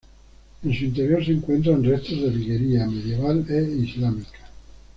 En su interior se encuentran restos de viguería medieval e islámica.